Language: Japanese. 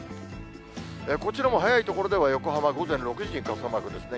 こちらも早い所では横浜、午前６時に傘マークですね。